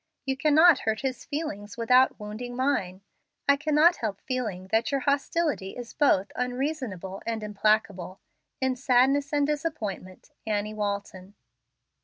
You cannot hurt his feelings without wounding mine. I cannot help feeling that your hostility is both 'unreasonable and implacable.' In sadness and disappointment, "Annie Walton."